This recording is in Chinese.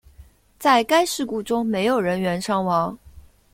在该事故中没有人员伤亡。